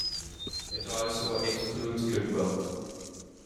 It also excludes goodwill.